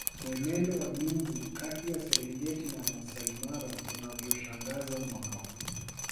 Mwenendo wa nyumbu kati ya Serengeti na Maasai Mara unavyoshangaza mwaka huu